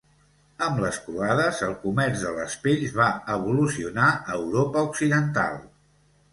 Amb les Croades, el comerç de les pells va evolucionar a Europa occidental.